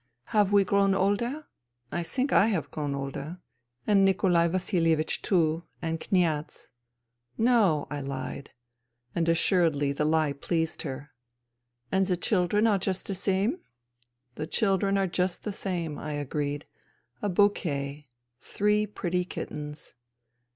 " Have we grown older ? I think I have grown older. And Nikolai Vasilievich, too. And Kniaz." " No," I hed. And assuredly the lie pleased her. " And the children are just the same ?*''' The children are just the same," I agreed. " A bouquet. Three pretty kittens."